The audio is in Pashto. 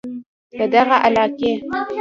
د دغه علاقې